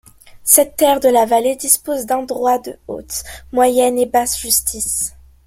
Cette terre de La Vallée dispose d'un droit de haute, moyenne et basse justice.